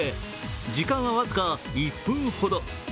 時間は僅か１分ほど。